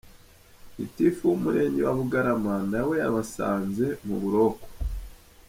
Gitifu w’umurenge wa Bugarama na we yabasanze mu buroko.